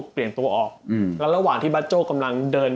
เปลี่ยนตัวออกแล้วระหว่างที่บาโจ้กำลังเดิน